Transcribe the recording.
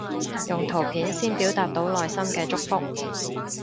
用圖片先表達到內心嘅祝福